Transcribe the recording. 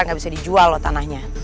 nggak bisa dijual loh tanahnya